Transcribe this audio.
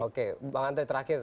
oke bang antri terakhir